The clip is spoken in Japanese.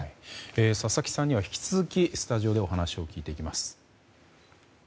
佐々木さんには引き続きスタジオでお話を聞いていきます。